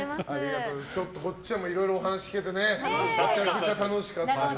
こっちはいろいろお話聞けてめちゃくちゃ楽しかったですけど。